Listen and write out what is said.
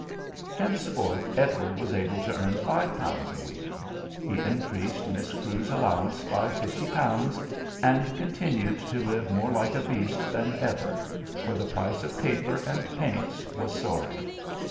Henceforth Edward was able to earn five pounds a week. He increased Miss Crewe's allowance by fifty pounds, and continued to live more like a beast than ever, for the price of paper and paints was soaring.